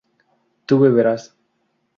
tú beberás